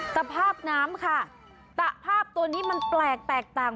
สภาพน้ำค่ะตะภาพตัวนี้มันแปลกแตกต่าง